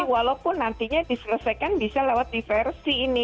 walaupun nantinya diselesaikan bisa lewat diversi ini